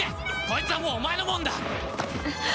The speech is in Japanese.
こいつはもうお前のものだ。